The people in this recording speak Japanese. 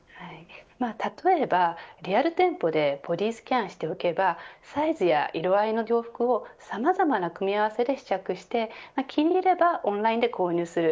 例えばリアル店舗でボディスキャンしておけばサイズや色合いの洋服をさまざまな組み合わせで試着して気に入ればオンラインで購入する